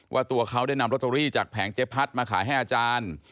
ว่าตัวเขาได้นำลอตเตอรี่จากแผงเจ๊พัดมาขายให้อาจารย์